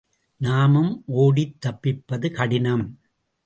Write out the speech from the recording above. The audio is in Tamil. நாம் ஒடித் தப்பிப்பது கடினம்.